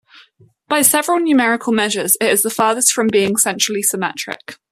By several numerical measures it is the farthest from being centrally symmetric.